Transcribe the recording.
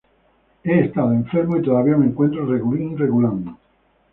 He estado enfermo y todavía me encuentro regulín regulán